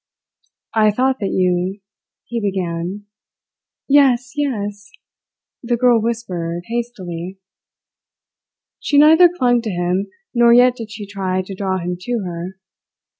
"I thought that you " he began. "Yes, yes!" the girl whispered hastily. She neither clung to him, nor yet did she try to draw him to her.